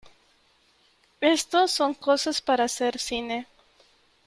esto son cosas para hacer cine .